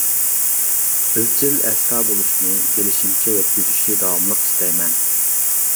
ئىزچىل ئەسرا بولۇشنى، بىلىشىمچە يەتكۈزۈشنى داۋاملىق ئىستەيمەن.